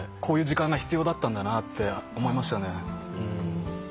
こういう時間が必要だったんだって思いましたね。